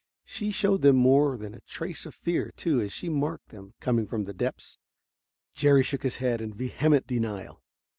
She showed them more than a trace of fear, too, as she marked them coming from the depths. Jerry shook his head in vehement denial.